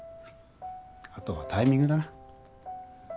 あとはタイミングだな。